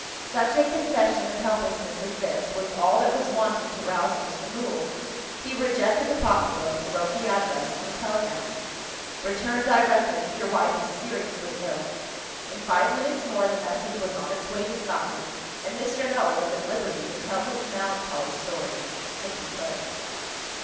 Such a confession of helplessness as this, was all that was wanted to rouse Mr. Mool. He rejected the pocket book, and wrote the address on a telegram. "Return directly: your wife is seriously ill." In five minutes more, the message was on its way to Scotland; and Mr. Null was at liberty to tell his melancholy story if he could.